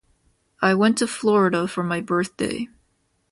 I went to Florida for my birthday.